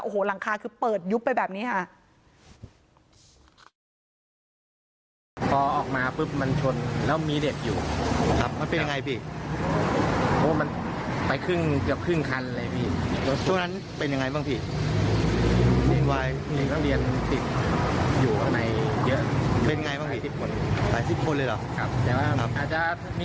โอ้โหหลังคาคือเปิดยุบไปแบบนี้ค่ะ